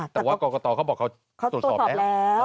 แต่ว่ากรกตเขาบอกเขาตรวจสอบได้แล้ว